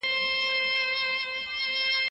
خوشال خان خټک د نړۍ لپاره شاعر دی.